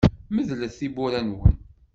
Medlet tiwwura-nwen.